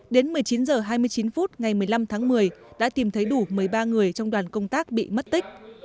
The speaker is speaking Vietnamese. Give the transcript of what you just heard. đến một mươi chín h hai mươi chín phút ngày một mươi năm tháng một mươi đã tìm thấy đủ một mươi ba người trong đoàn công tác bị mất tích